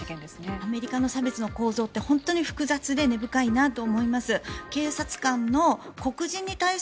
アメリカの差別の構造って本当に複雑で根深いなと思います。